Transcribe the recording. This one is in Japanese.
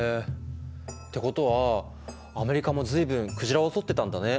ってことはアメリカも随分鯨を取ってたんだね。